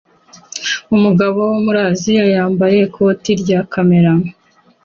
Umugabo wo muri Aziya wambaye ikote rya kamera